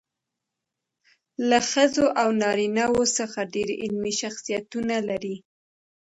له ښځو او نارینه وو څخه ډېر علمي شخصیتونه لري.